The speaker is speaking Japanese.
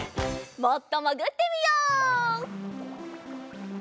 もっともぐってみよう。